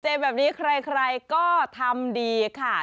เจอแบบนี้ใครก็ทำดีค่ะ